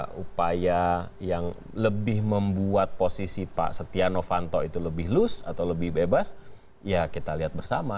supaya upaya yang lebih membuat posisi pak setia novanto itu lebih lus atau lebih bebas ya kita lihat bersama